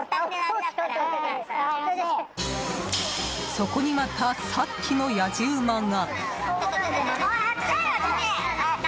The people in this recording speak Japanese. そこにまたさっきのやじ馬が。